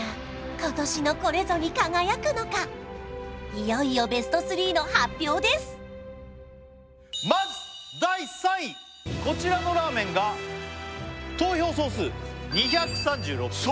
いよいよベスト３の発表ですまず第３位こちらのラーメンが投票総数２３６票